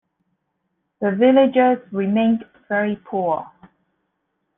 The villagers remained very poor.